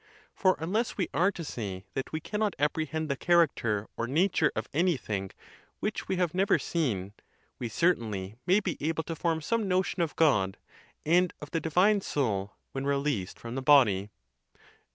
For unless we are to say that we cannot apprehend the character or nature of anything which we have never seen, we certainly may be able to form some notion of God, and of the divine soul when released from the body.